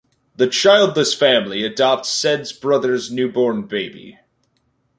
The childless family adopts Said’s brother’s newborn baby.